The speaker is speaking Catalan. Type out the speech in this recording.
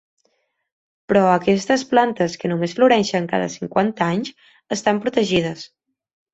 Però aquestes plantes que només floreixen cada cinquanta anys estan protegides.